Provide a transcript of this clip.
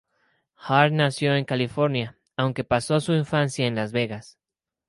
Hart nació en California, aunque pasó su infancia en Las Vegas.